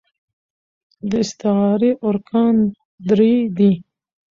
د استعارې ارکان درې دي.